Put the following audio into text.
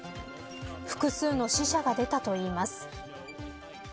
複数の死者が出たといいます。